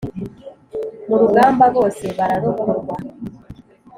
Mu rugamba bose bararokorwa